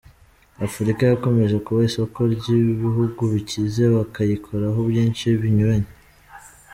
Afurika yakomeje kuba isoko ry’ibuhugu bikize, bakayikoraho byinshi binyuranye.